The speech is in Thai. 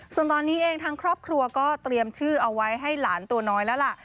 ส่วนตอนนี้เองทางครอบครัวก็เตรียมชื่อเอาไว้ให้หลานตัวน้อยแล้วล่ะ